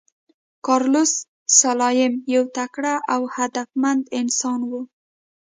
کارلوس سلایم یو تکړه او هدفمند انسان و.